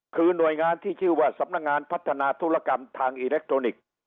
คือหน่วยงานที่ชื่อว่าสำนักงานพัฒนาธุรกรรมทางอิเล็กทรอนิกส์